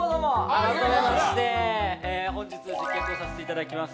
改めまして本日、接客させていただきます